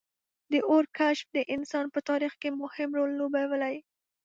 • د اور کشف د انسان په تاریخ کې مهم رول لوبولی.